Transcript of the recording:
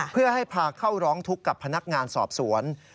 เพื่อให้พาเข้าร้องทุกข์กับพนักงานสอบสวน